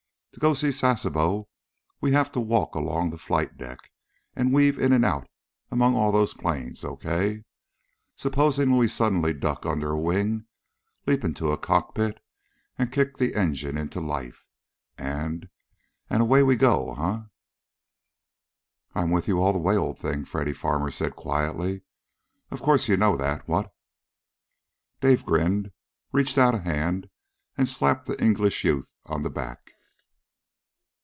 To go see Sasebo we have to walk along the flight deck, and weave in and out among all those planes, okay. Supposing we suddenly duck under a wing, leap into a cockpit, and kick the engine into life, and and away we go, huh?" "I'm with you all the way, old thing," Freddy Farmer said quietly. "Of course you know that, what?" Dave grinned, reached out a hand and slapped the English youth on the back.